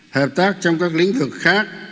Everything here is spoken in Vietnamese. hợp tác trong các lĩnh vực khác